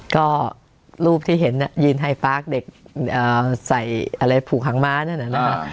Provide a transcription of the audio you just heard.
ก็รูปที่เห็นน่ะยืนไฮปาร์กเด็กอ่าใส่อะไรผูกหางม้าน่ะนะอ่า